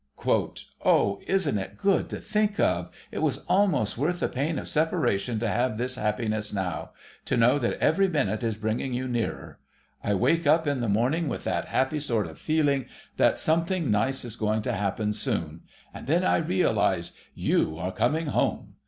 "... Oh, isn't it good to think of! It was almost worth the pain of separation to have this happiness now—to know that every minute is bringing you nearer. I wake up in the morning with that happy sort of feeling that something nice is going to happen soon—and then I realise: you are coming Home!